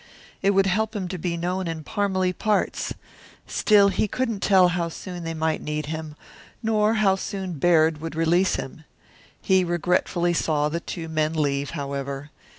It would help him to be known in Parmalee parts. Still, he couldn't tell how soon they might need him, nor how soon Baird would release him. He regretfully saw the two men leave, however.